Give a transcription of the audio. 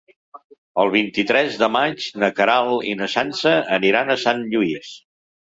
El vint-i-tres de maig na Queralt i na Sança aniran a Sant Lluís.